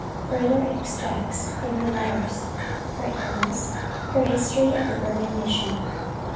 FURTHER EXTRACTS FROM HER LETTERS. HER ILLNESS. HER HISTORY OF THE BURMAN MISSION.